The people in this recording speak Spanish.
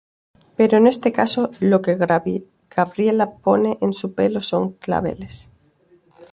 Pero en este caso, lo que Gabriela pone en su pelo son claveles.